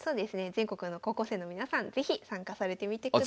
全国の高校生の皆さん是非参加されてみてください。